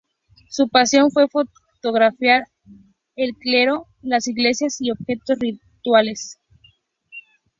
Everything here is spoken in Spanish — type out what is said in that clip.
Su pasión fue fotografiar el clero, las iglesias y objetos rituales.